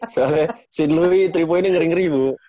soalnya si louis tiga poinnya jaring ribu